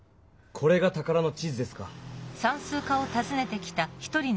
これが宝の地図ですか。